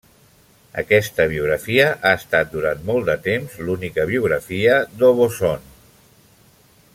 Aquesta biografia ha estat durant molt de temps l'única biografia d'Aubusson.